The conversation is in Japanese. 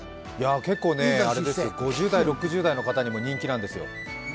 結構、５０代、６０代の方にも人気なんですよ。